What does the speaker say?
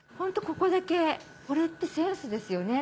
ここだけこれってセンスですよね。